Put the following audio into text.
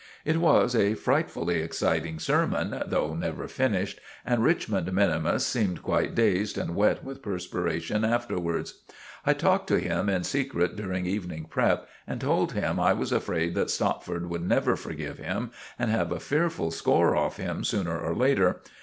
It was a frightfully exciting sermon, though never finished, and Richmond minimus seemed quite dazed and wet with perspiration afterwards. I talked to him in secret during evening prep., and told him I was afraid that Stopford would never forgive him, and have a fearful score off him sooner or later.